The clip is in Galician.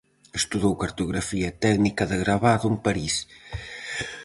Estudou cartografía e técnica de gravado en París.